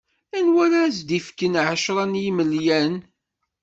Anwa ara as-d-ifken ɛecra n yimelyan?